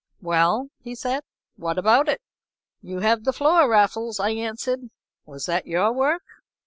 "Well," he said, "what about it?" "You have the floor, Raffles," I answered. "Was that your work?"